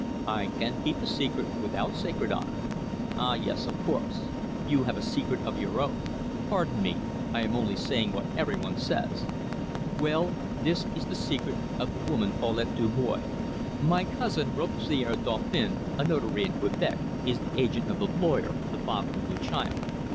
"I can keep a secret without sacred honour." "Ah, yes, of course! You have a secret of your own pardon me, I am only saying what every one says. Well, this is the secret of the woman Paulette Dubois. My cousin, Robespierre Dauphin, a notary in Quebec, is the agent of the lawyer, the father of the child.